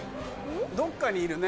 どっかにいるね。